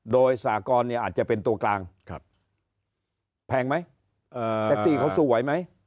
โดยสากรเนี่ยอาจจะเป็นตัวกลางแพงไหมแท็กซี่เขาสู้ไหวไหม